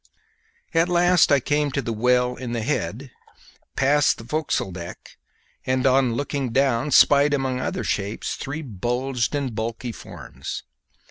At last I came to the well in the head, passed the forecastle deck, and on looking down spied among other shapes three bulged and bulky forms.